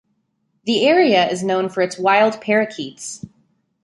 The area is known for its wild parakeets.